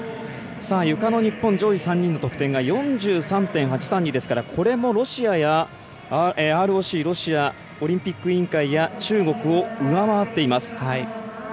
ゆかの日本上位３人の得点４３．８３２ですからこれもＲＯＣ＝ロシアオリンピック委員会や中国を上回っています。